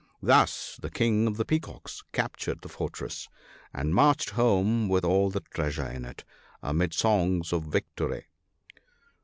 Thus the King of the Peacocks captured the fortress ; and marched home with all the treasure in it, amid songs of victory.